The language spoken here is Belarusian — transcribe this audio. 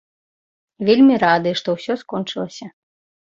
Вельмі рады, што ўсё скончылася.